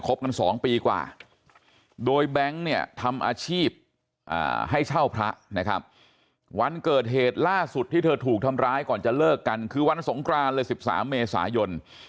กัน๒ปีกว่าโดยแบงค์เนี่ยทำอาชีพให้เช่าพระนะครับวันเกิดเหตุล่าสุดที่เธอถูกทำร้ายก่อนจะเลิกกันคือวันสงกรานเลย๑๓เมษายน